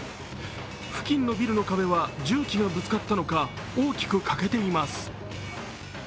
付近のビルの壁は重機がぶつかったのか大きく欠けています。